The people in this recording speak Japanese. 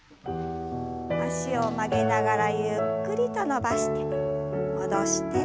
脚を曲げながらゆっくりと伸ばして戻して。